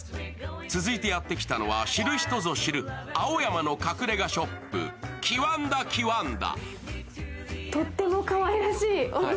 続いてやってきたのは、知る人ぞ知る、青山の隠れがショップキワンダキワンダ。